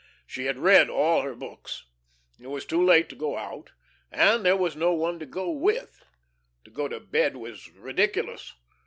She had read all her books. It was too late to go out and there was no one to go with. To go to bed was ridiculous.